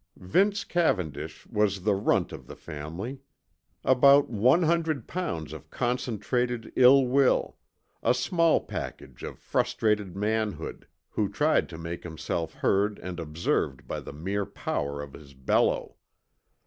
Vince Cavendish was the runt of the family. About one hundred pounds of concentrated ill will; a small package of frustrated manhood, who tried to make himself heard and observed by the mere power of his bellow.